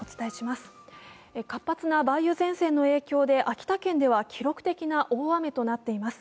活発な梅雨前線の影響で秋田県では記録的な大雨となっています。